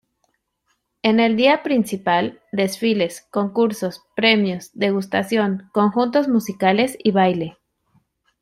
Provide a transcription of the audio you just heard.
En el día principal: desfiles, concursos, premios, degustación, conjuntos musicales y baile.